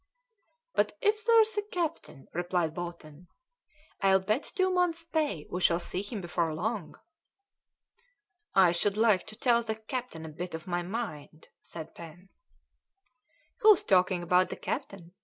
"But if there's a captain," replied Bolton, "I'll bet two months' pay we shall see him before long." "I should like to tell the captain a bit of my mind," said Pen. "Who's talking about the captain?"